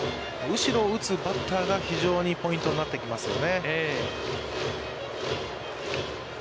後ろを打つバッターが非常にポイントになってきますよね。